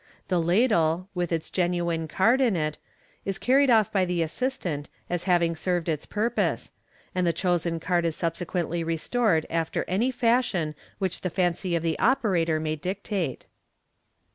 The ladle^ with the genuine card in it, is carried off by the assistant as having served its purpose, and the chosen card is subsequently restored after any fashion which the fancy of the operator may dictate.